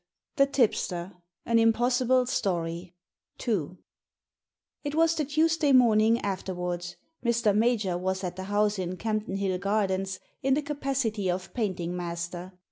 It is uncommon queer." IL It was the Tuesday morning afterwards. Mr. Major was at the house in Campden Hill Gardens in the capacity of painting master.